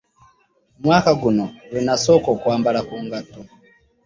Mu mwaka guno lwe nasooka okwambala ku ngatto.